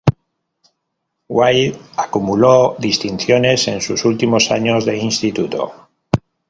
Wade acumuló distinciones en sus últimos años de instituto.